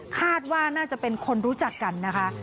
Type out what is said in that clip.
คาดว่าน่าจะเป็นคนรู้จักกันนะคะ